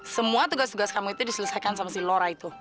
semua tugas tugas kamu itu diselesaikan sama si lora itu